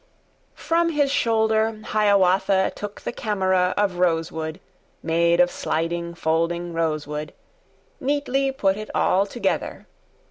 ] FROM his shoulder Hiawatha Took the camera of rosewood, Made of sliding, folding rosewood; Neatly put it all together.